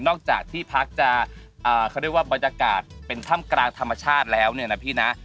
จากที่พักจะเขาเรียกว่าบรรยากาศเป็นถ้ำกลางธรรมชาติแล้วเนี่ยนะพี่นะ